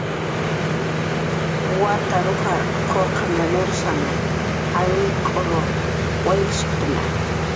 Watar ujras quqim nurisn aywinkun wayrkshusan mushuktna